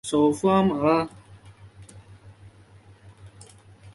首府阿马拉。